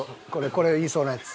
これ言いそうなやつ。